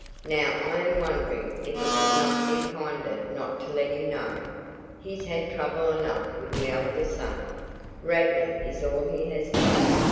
Now I am wondering if it would not be kinder not to let him know? He's had trouble enough with his elder son; Radnor is all he has left.